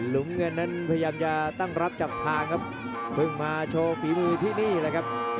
เงินนั้นพยายามจะตั้งรับจับทางครับเพิ่งมาโชว์ฝีมือที่นี่แหละครับ